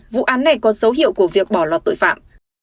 vụ án này có dấu hiệu của việc bỏ lọt tội phạm